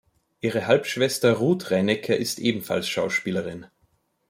Ihre Halbschwester Ruth Reinecke ist ebenfalls Schauspielerin.